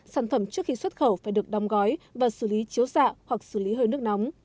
sản phẩm trước khi xuất khẩu phải được đong gói và xử lý chiếu xạ hoặc xử lý hơi nước nóng